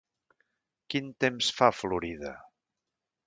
Quin temps fa a Florida?